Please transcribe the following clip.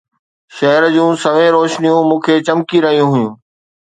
شهر جون سوين روشنيون مون کان چمڪي رهيون هيون